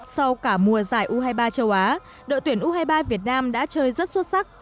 sau cả mùa giải u hai mươi ba châu á đội tuyển u hai mươi ba việt nam đã chơi rất xuất sắc